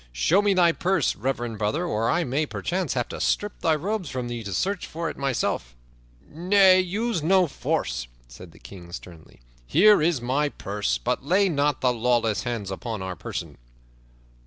Show me thy purse, reverend brother, or I may perchance have to strip thy robes from thee to search for it myself." "Nay, use no force," said the King sternly. "Here is my purse, but lay not thy lawless hands upon our person."